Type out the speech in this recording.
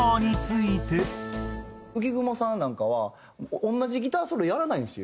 浮雲さんなんかは同じギターソロやらないんですよ